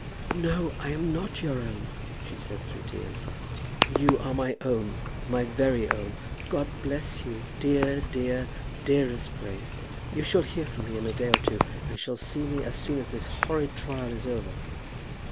"No, I am not your own," she said, through her tears. "You are my own, my very own. God bless you, dear, dear, dearest Grace. You shall hear from me in a day or two, and shall see me as soon as this horrid trial is over."